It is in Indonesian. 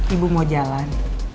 ibu mau jalan